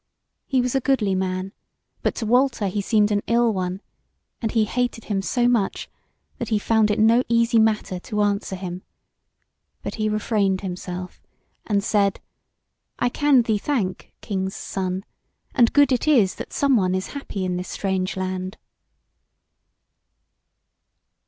He was a goodly man, but to Walter he seemed an ill one; and he hated him so much, that he found it no easy matter to answer him; but he refrained himself, and said: "I can thee thank, King's Son; and good it is that someone is happy in this strange land."